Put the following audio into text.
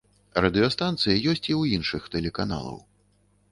Радыёстанцыі ёсць і ў іншых тэлеканалаў.